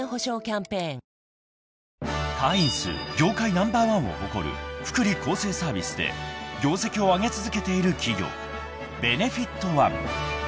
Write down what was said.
ナンバーワンを誇る福利厚生サービスで業績を上げ続けている企業ベネフィット・ワン］